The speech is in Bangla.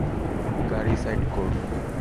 গাড়ি সাইড কোর।